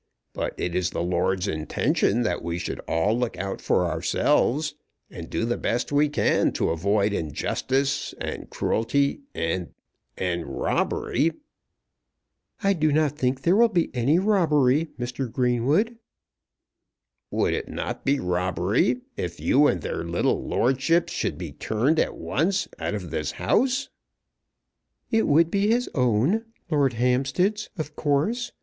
But it is the Lord's intention that we should all look out for ourselves, and do the best we can to avoid injustice, and cruelty, and, and robbery." "I do not think there will be any robbery, Mr. Greenwood." "Would it not be robbery if you and their little lordships should be turned at once out of this house?" "It would be his own; Lord Hampstead's, of course.